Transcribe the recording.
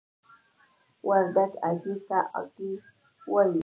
وردګ هګۍ ته آګۍ وايي.